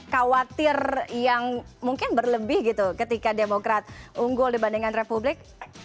khawatir yang mungkin berlebih gitu ketika demokrat unggul dibandingkan republik